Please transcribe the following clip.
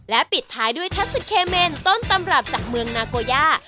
ปิดท้ายด้วยทัศเคเมนต้นตำรับจากเมืองนาโกย่า